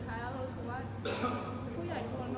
เราคิดว่าเป็นต่อไปเค้าขอบห่วงมากขึ้น